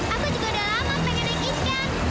aku juga udah lama pengen naik ikan